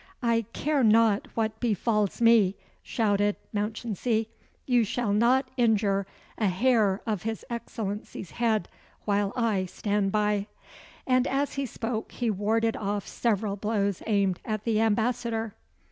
"I care not what befals me," shouted Mounchensey. "You shall not injure a hair of his Excellency's head while I stand by." And as he spoke he warded off several blows aimed at the ambassador.